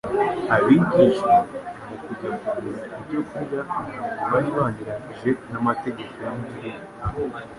Abigishwa, mu kujya kugura ibyo kurya, ntabwo bari banyuranije n’amategeko y’igihugu